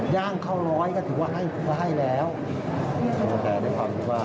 ย่างเข้าร้อยก็ถือว่าให้ก็ให้แล้วแต่ด้วยความที่ว่า